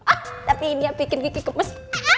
ah tapi ini yang bikin kiki gemes